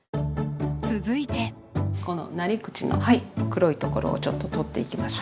続いてこのなり口の黒いところをちょっと取っていきましょう。